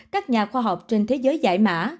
các nhà khoa học trên thế giới giải mã